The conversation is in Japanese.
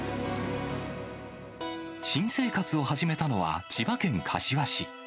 新生活を始めたのは千葉県柏市。